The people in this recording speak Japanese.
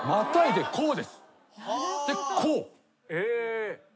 でこう。